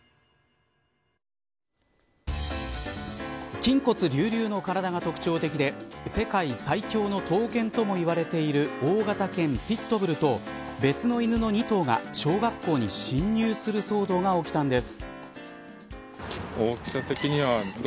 筋骨隆々の体が特徴的で世界最強の闘犬ともいわれている大型犬ピットブルと別の犬の２頭が小学校に侵入する騒動が起きたんです。